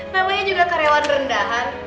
namanya juga karyawan rendahan